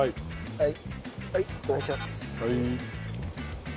はい。